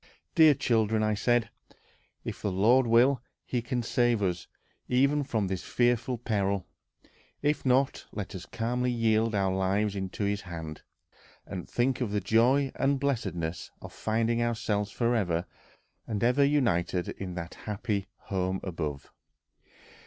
"Dear children," said I, "if the Lord will, he can save us even from this fearful peril; if not, let us calmly yield our lives into his hand, and think of the joy and blessedness of finding ourselves forever and ever united in that happy home above."